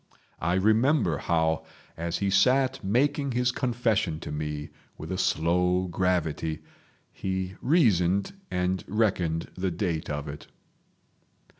I remember how, as he sat making his confession to me with a slow gravity, he reasoned and reckoned the date of it.